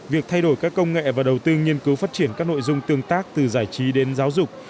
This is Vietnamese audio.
việc thay đổi các công nghệ và đầu tư nghiên cứu phát triển các nội dung tương tác từ giải trí đến giáo dục